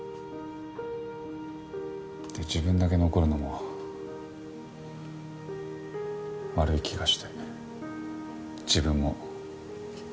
で自分だけ残るのも悪い気がして自分も辞めました。